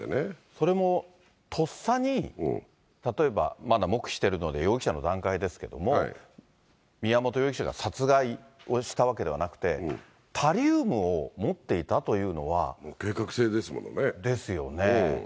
それもとっさに、例えばまだ黙秘しているので容疑者の段階ですけれども、宮本容疑者が殺害をしたわけではなくて、タリウムを持っていたというのは。ですよね。